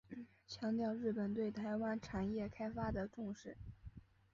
强调日本对台湾产业开发的重视。